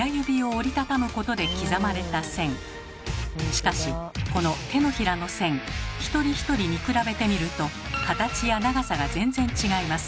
しかしこの手のひらの線一人一人見比べてみると形や長さが全然違います。